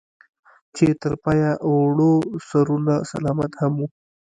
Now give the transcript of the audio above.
چې تر پايه وړو سرونه سلامت هم